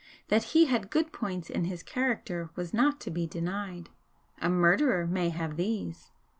That he had good points in his character was not to be denied, a murderer may have these.